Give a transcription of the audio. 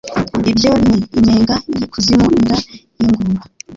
Ibyo ni inyenga y’ikuzimu inda y’ingumba